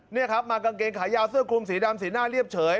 นี่ครับมากางเกงขายาวเสื้อคลุมสีดำสีหน้าเรียบเฉย